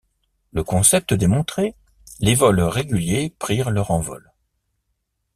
Le concept démontré, les vols réguliers prirent leur envol.